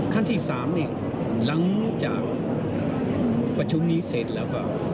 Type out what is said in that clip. ขั้นที่๓เนี่ยหลังจากประชุมนี้เสร็จแล้วก็